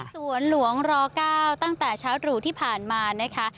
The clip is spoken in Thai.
สวนหลวงร๙ตั้งแต่เช้าตรู่ที่ผ่านมานะคะ